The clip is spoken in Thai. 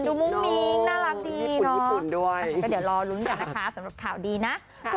เดี๋ยวรอรุ้นเดี๋ยวนะคะสำหรับข่าวดีนะ